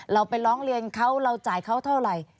เราไปร้องเรียนเขาเราจ่ายเขาเท่าไหร่